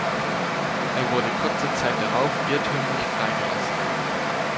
Er wurde kurze Zeit darauf irrtümlich freigelassen.